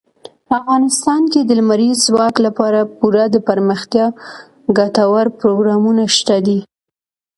افغانستان کې د لمریز ځواک لپاره پوره دپرمختیا ګټور پروګرامونه شته دي.